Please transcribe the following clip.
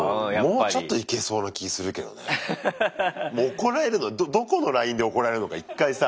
怒られるのどこのラインで怒られるのか一回さ。